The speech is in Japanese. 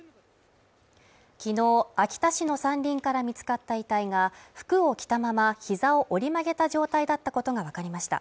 昨日秋田市の山林から見つかった遺体が服を着たまま膝を折り曲げた状態だったことがわかりました。